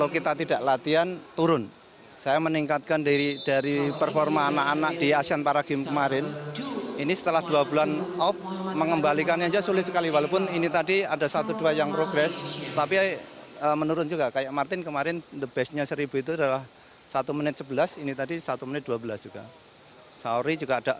kita ingin mencari poin untuk anak anak